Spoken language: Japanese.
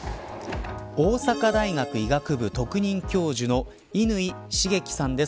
大阪大学医学部特任教授の乾重樹さんです。